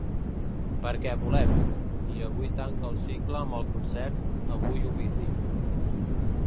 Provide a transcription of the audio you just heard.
Perquè volem!’ i avui tanca el cicle amb el concert ‘Avui Ovidi’.